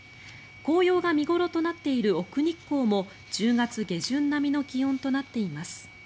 紅葉が見頃となっている奥日光も１０月下旬並みの気温となっています。